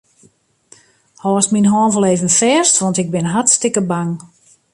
Hâldst myn hân wol even fêst, want ik bin hartstikke bang.